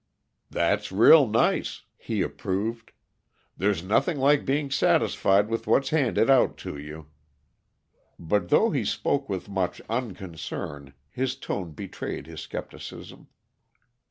"That's real nice," he approved. "There's nothing like being satisfied with what's handed out to you." But, though he spoke with much unconcern, his tone betrayed his skepticism.